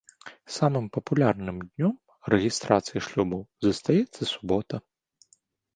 Самым папулярным днём рэгістрацыі шлюбу застаецца субота.